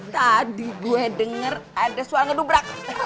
tadi gue denger ada suara ngedubrak